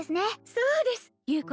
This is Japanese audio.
そうです優子